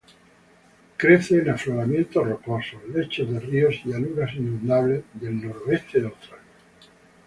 Crece en afloramientos rocosos, lechos de ríos y llanuras inundables del noroeste de Australia.